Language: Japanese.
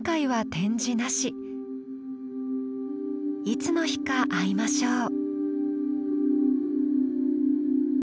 いつの日か会いましょう。